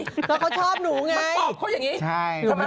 เพราะเขาชอบหนูไงใช่